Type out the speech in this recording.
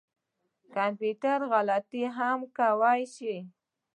کمپیوټر غلطي هم کولای شي